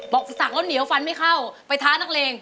ศักดิ์แล้วเหนียวฟันไม่เข้าไปท้านักเลง